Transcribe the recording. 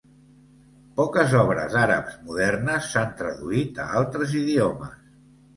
Poques obres àrabs modernes s'han traduït a altres idiomes.